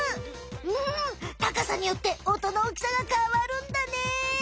うん高さによって音の大きさがかわるんだね！